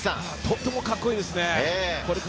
とっても、カッコいいですね。